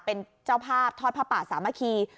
เป็นเจ้าภาพทอดผ้าป่าสามัคคี